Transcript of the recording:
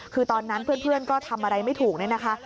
คือตอนนั้นเพื่อนก็ทำอะไรไม่ถูกเนี่ยนะคะ